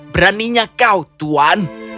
beraninya kau tuhan